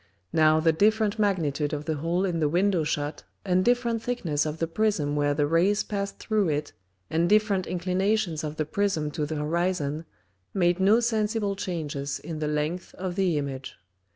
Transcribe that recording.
Now the different Magnitude of the hole in the Window shut, and different thickness of the Prism where the Rays passed through it, and different inclinations of the Prism to the Horizon, made no sensible changes in the length of the Image.